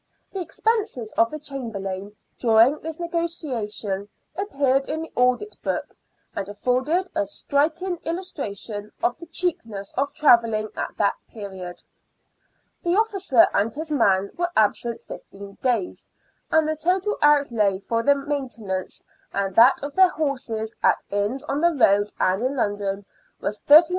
The expenses of the Chamberlain during this negotiation appear in the audit book, and afford a striking illustration of the cheapness of travelling at that period. The officer and his man were absent fifteen days, and the total outlay for their main tenance and that of their horses at inns on the road and in London was 38s.